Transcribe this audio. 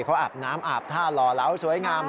เขาอาบน้ำอาบท่าหล่อเหลาสวยงาม